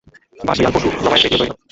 বাসলিয়াল পশু যবাইর বেদীও তৈরী করে।